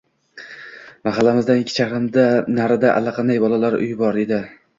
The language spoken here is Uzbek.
Mahallamizdan ikki chaqirimcha narida allaqanday bolalar uyi bor edi.